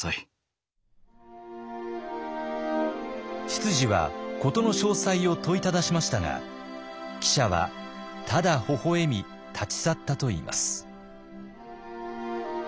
執事は事の詳細を問いただしましたが記者はただほほ笑み立ち去ったといいます。